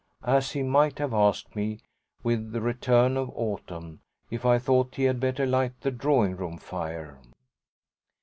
as he might have asked me, with the return of autumn, if I thought he had better light the drawing room fire.